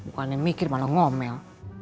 bukannya mikir malah ngomel